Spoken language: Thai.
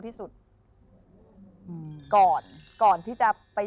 อิง